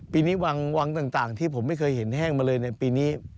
ปีนี้วังต่างที่ผมไม่เคยเห็นแห้งมาเลยในปีนี้